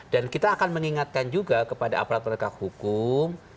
dan kita akan mengingatkan juga kepada aparat perlengkapan hukum